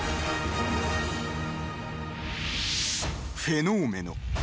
［フェノーメノ］